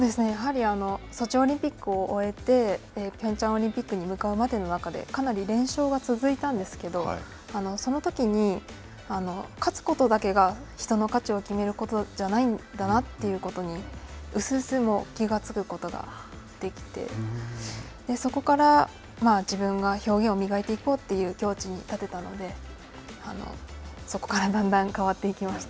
ソチオリンピックを終えて、ピョンチャンオリンピックに向かう中でかなり連勝が続いたんですけど、そのときに勝つことだけが人の価値を決めることじゃないんだなということにうすうす気が付くことができて、そこから自分が表現を磨いていこうという境地に立てたのでそこからだんだん変わっていきました。